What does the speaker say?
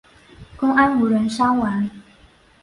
公安无人伤亡。